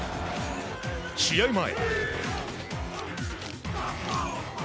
試合前。